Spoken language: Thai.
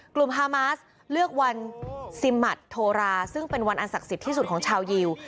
ฮามาสเลือกวันซิมมัติโทราซึ่งเป็นวันอันศักดิ์สิทธิ์ที่สุดของชาวยิว